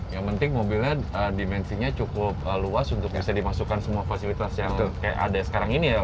yang penting mobilnya dimensinya cukup luas untuk bisa dimasukkan semua fasilitas yang kayak ada sekarang ini ya